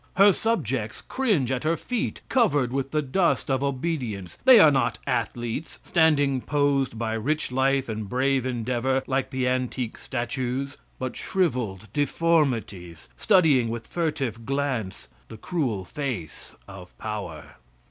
Her subjects cringe at her feet covered with the dust of obedience. They are not athletes standing posed by rich life and brave endeavor like the antique statues, but shriveled deformities studying with furtive glance the cruel face of power.